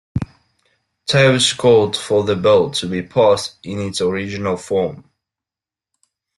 Toews called for the bill to be passed in its original form.